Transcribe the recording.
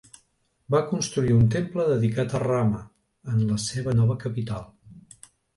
Va construir un temple dedicat a Rama en la seva nova capital.